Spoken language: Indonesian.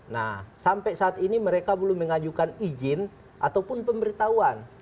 nah sampai saat ini mereka belum mengajukan izin ataupun pemberitahuan